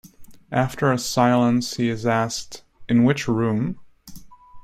After a silence he is asked, "In which room?"